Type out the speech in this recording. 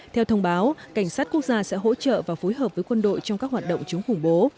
theo thông báo cảnh sát quốc gia sẽ hỗ trợ và phối hợp với quân đội trong các hoạt động chống khủng bố